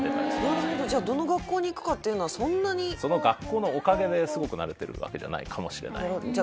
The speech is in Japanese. なるほどじゃあどの学校に行くかっていうのはそんなにその学校のおかげですごくなれてるわけじゃないかもしれないじゃあ